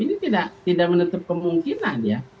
ini tidak menutup kemungkinan ya